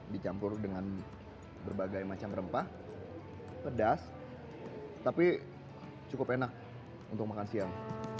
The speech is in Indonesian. dicampur dengan berbagai macam rempah pedas tapi cukup enak untuk makan siang